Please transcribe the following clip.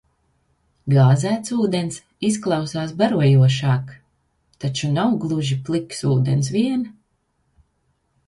Gāzēts ūdens izklausās barojošāk. Taču nav gluži pliks ūdens vien!